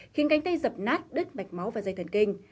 khiến cánh tay dập nát đứt mạch máu và dây thần kinh